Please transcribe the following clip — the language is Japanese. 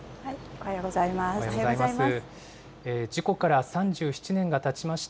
おはようございます。